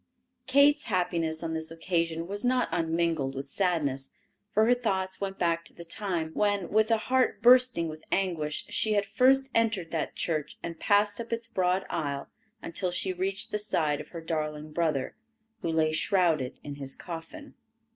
Kate's happiness on this occasion was not unmingled with sadness, for her thoughts went back to the time when, with a heart bursting with anguish, she had first entered that church and passed up its broad aisle until she reached the side of her darling brother, who lay shrouded in his coffin.